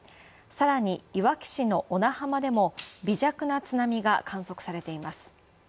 さらに、いわき市の小名浜でも微弱な津波が観測されています。